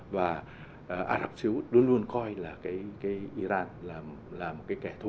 và ả rập xê út luôn luôn coi là cái iran là một cái kẻ thù